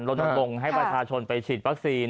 ลดลงให้ประชาชนไปฉีดวัคซีน